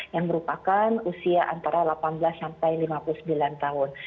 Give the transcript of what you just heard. yang merupakan usia antara delapan belas sampai lima puluh sembilan tahun